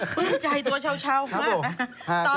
พื้นใจตัวชาวมากนะฮะ